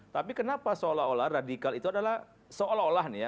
tapi kenapa seolah olah radikal itu adalah seolah olah nih ya